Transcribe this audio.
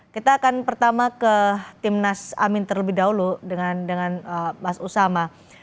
kita akan pertama ke timnas amin terlebih dahulu dengan mas usama